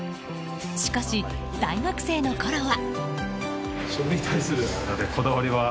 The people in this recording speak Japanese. しかし、大学生のころは。